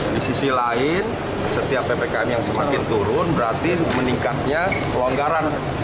di sisi lain setiap ppkm yang semakin turun berarti meningkatnya pelonggaran